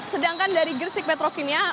sedangkan dari gresik petrokimia